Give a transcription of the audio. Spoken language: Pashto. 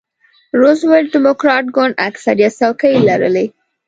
روزولټ ډیموکراټ ګوند اکثریت څوکۍ لرلې.